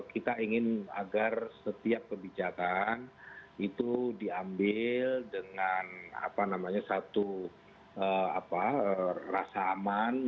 kita ingin agar setiap kebijakan itu diambil dengan satu rasa aman